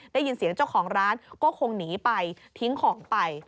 ได้ยินเสียงเจ้าของร้านก็คงหนีไปทิ้งของไป